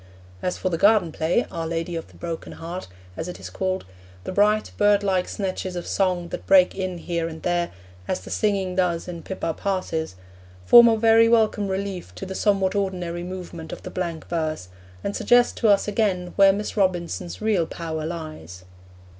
As for the garden play, Our Lady of the Broken Heart, as it is called, the bright, birdlike snatches of song that break in here and there as the singing does in Pippa Passes form a very welcome relief to the somewhat ordinary movement of the blank verse, and suggest to us again where Miss Robinson's real power lies.